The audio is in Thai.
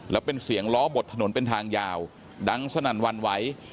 แล้วเป็นเสียงล้อบดถนนเป็นทางยาวดังสนั่นวันไหว